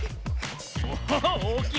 おおっおおきい